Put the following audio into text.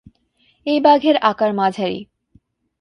এই বাঘের আকার মাঝারি।